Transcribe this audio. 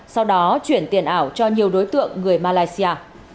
sau đó chuyển tiền ảo cho nhiều đối tượng người malaysia